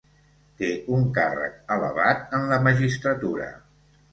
Té un càrrec elevat en la magistratura.